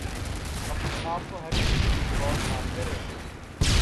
اپنے آپ کو ہر چیز میں انوالو نہ کریں